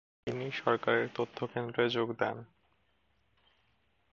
তিনি সরকারের তথ্যকেন্দ্রে যোগ দেন।